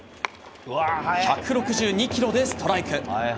１６２キロでストライク。